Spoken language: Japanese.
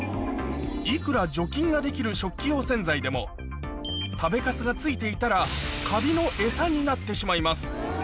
いくら除菌ができる食器用洗剤でも食べカスが付いていたらカビのエサになってしまいます